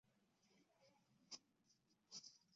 拉登堡出生于德国曼海姆一个著名的犹太人家庭。